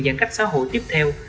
giãn cách xã hội tiếp theo